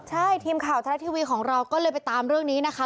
ใช่ทีมข่าวทะละทีวีของเราก็เลยไปตามเรื่องนี้นะคะ